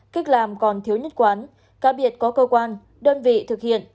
cách làm còn thiếu nhất quán cá biệt có cơ quan đơn vị thực hiện